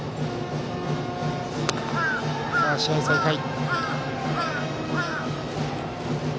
試合再開。